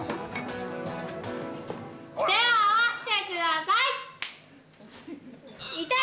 手を合わせてください！